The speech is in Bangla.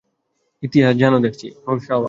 ইতিহাস জানো দেখছি।